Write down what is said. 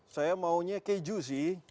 saya maunya keju sih